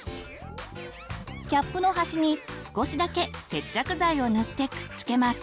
キャップの端に少しだけ接着剤を塗ってくっつけます。